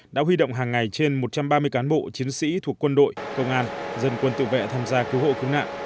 đã huy động hàng ngày trên một trăm ba mươi cán bộ chiến sĩ thuộc quân đội công an dân quân tự vệ tham gia cứu hộ cứu nạn